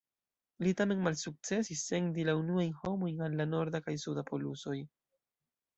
Li tamen malsukcesis sendi la unuajn homojn al la norda kaj suda polusoj.